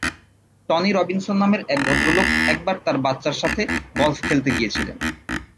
Tony Robbins নামের এক ভদ্রলোক একবার তার বাচ্চার সাথে গলফ খেলতে গিয়েছিলেন।